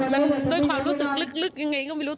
แล้วด้วยความรู้สึกลึกยังไงก็ไม่รู้